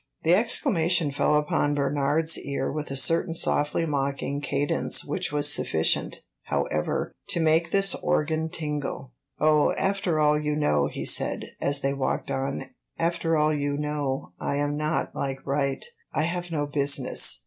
The exclamation fell upon Bernard's ear with a certain softly mocking cadence which was sufficient, however, to make this organ tingle. "Oh, after all, you know," he said, as they walked on "after all, you know, I am not like Wright I have no business."